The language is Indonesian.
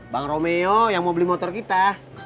bang romeo yang mau beli motor kita